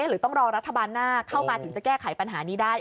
หรือต้องรอรัฐบาลหน้าเข้ามาถึงจะแก้ไขปัญหานี้ได้